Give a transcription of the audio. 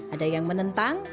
ada yang menentang